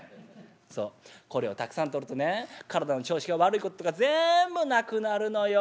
そうこれをたくさんとるとね体の調子が悪いこととかぜんぶなくなるのよお」。